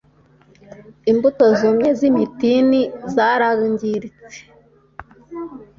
imbuto zumye z imitini zarangiritse